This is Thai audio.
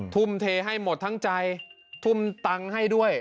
ทุ่มเทให้หมดทั้งใจทุ่มตังค์ให้ด้วย